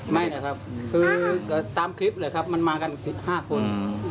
ไม่นะครับคือตามคลิปเลยครับมันมากัน๑๕คน